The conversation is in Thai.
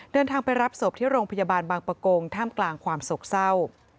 เดินทางไปรับศพที่โรงพยาบาลบางประกงท่ามกลางความโศกเศร้า